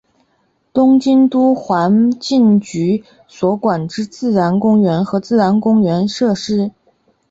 东京都环境局所管之自然公园与自然公园设施。